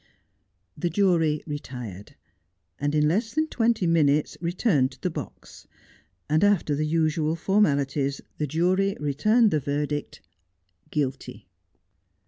The jury retired, and in less than twenty minutes returned to the box, and after the usual formalities the jury returned the verdict ' guilty.'